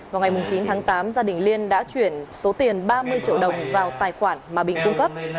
vào ngày chín tháng tám gia đình liên đã chuyển số tiền ba mươi triệu đồng vào tài khoản mà bình cung cấp